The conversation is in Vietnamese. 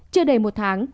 chưa đầy một tháng